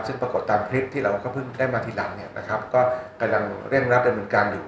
ซึ่งปรากฏตามคลิปที่เราก็เพิ่งได้มาทีหลังเนี่ยนะครับก็กำลังเร่งรัดดำเนินการอยู่